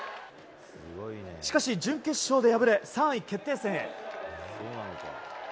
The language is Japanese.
しかし、準決勝で敗れ３位決定戦へ。